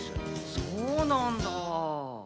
そうなんだ。